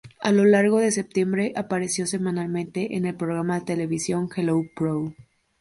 A lo largo de septiembre, apareció semanalmente en el programa de televisión "Hello Pro!